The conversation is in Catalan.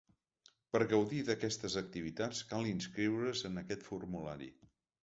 Per gaudir d’aquestes activitats, cal inscriure’s en aquest formulari.